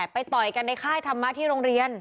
ต่อยกันในค่ายธรรมะที่โรงเรียน